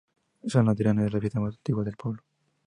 San Adrián: es la fiesta mas antigua del pueblo.